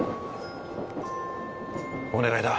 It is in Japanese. お願いだ。